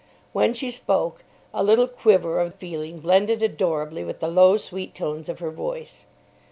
When she spoke, a little quiver of feeling blended adorably with the low, sweet tones of her voice.